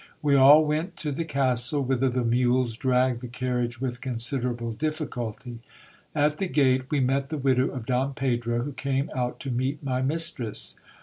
We all went to the castle, whither the mules dragged the carriage with considerable difficulty. At the gate we met the widow of Don Pedro, who came out to meet my mistress.